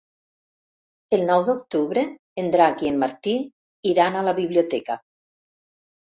El nou d'octubre en Drac i en Martí iran a la biblioteca.